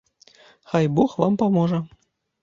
Хай бог вам паможа.